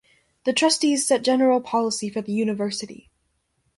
The Trustees set general policy for the university.